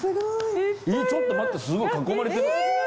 えっちょっと待ってすごい囲まれてる。